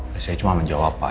saya cuma menjawab pak